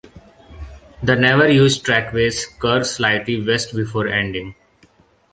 The never-used trackways curve slightly west before ending.